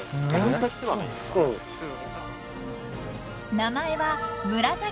［名前は］